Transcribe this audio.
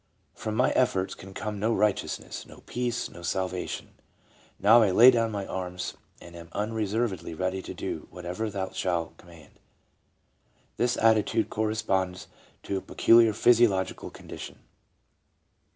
From my efforts can come no righteousness, no peace, no salvation ; now, I lay down my arms and am unreservedly ready to do whatever Thou shalt command. This attitude corresponds to a peculiar physiological condition.